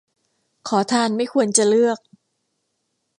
ขอทานไม่ควรจะเลือก